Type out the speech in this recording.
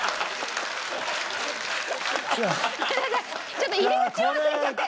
ちょっと入り口を忘れちゃって。